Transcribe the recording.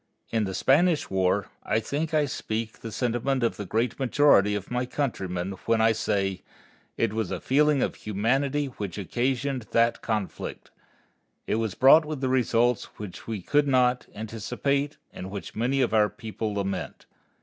In the Spanish War, I think I speak the sentiment of the great majority of my countrymen when I say, it was a feeling of humanity which occasioned that conflict. It brought with it results which we could not anticipate and which many of our people lament.